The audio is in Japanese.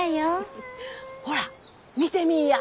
ほら見てみいや。